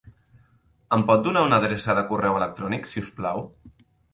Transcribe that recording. Em pot donar una adreça de correu electrònic, si us plau?